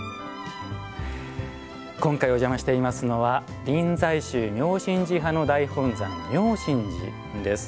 今回、お邪魔していますのは臨済宗妙心寺派の大本山妙心寺です。